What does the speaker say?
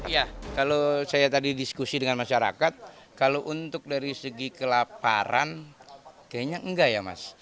ya kalau saya tadi diskusi dengan masyarakat kalau untuk dari segi kelaparan kayaknya enggak ya mas